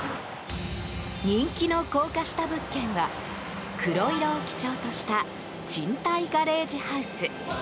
人気の高架下物件は黒色を基調とした賃貸ガレージハウス。